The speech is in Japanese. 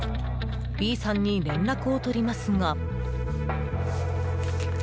Ｂさんに連絡を取りますが。